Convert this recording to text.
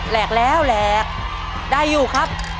แหลกแล้วแหลก